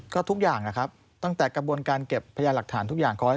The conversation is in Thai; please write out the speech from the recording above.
ก็ทุกอย่างนะครับตั้งแต่กระบวนการเก็บพยานหลักฐานทุกอย่างขอให้